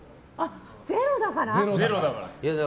ゼロだからか。